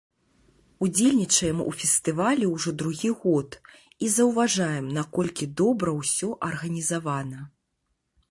Удзельнічаем у фестывалі ўжо другі год і заўважаем, наколькі добра ўсё арганізавана.